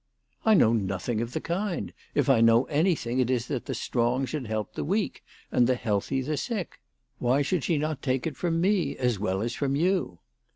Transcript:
" I know nothing of the kind. If I know anything, it is that the strong should help the weak, and the healthy the sick. Why should she not take it from me as well as from you